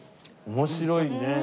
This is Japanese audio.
面白いね。